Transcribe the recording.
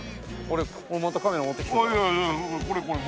俺またカメラ持ってきてるから。